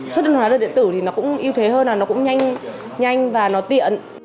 xuất hóa đơn điện tử thì nó cũng yêu thế hơn là nó cũng nhanh và nó tiện